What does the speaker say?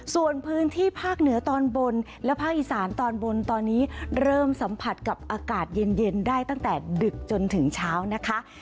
ส่วนพื้นที่ภาคเหนือตอนบนและภาคอีสานตอนบนตอนนี้เริ่มสัมผัสกับอากาศเย็นได้ตั้งแต่ดึกจนถึงเช้านะคะ